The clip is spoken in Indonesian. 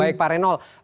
baik pak renold